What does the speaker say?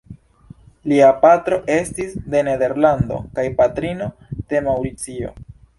Lia patro estis de Nederlando kaj patrino de Maŭricio.